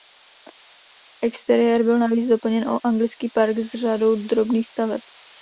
Exteriér byl navíc doplněn o anglický park s řadou drobných staveb.